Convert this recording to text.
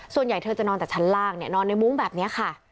ส่วนใหญ่เธอจะนอนแต่ชั้นล่างนอนในมุ้งแบบนี้ค่ะ